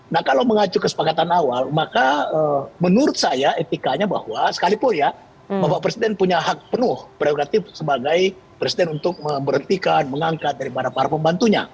nah kalau mengacu kesepakatan awal maka menurut saya etikanya bahwa sekalipun ya bapak presiden punya hak penuh prerogatif sebagai presiden untuk memberhentikan mengangkat daripada para pembantunya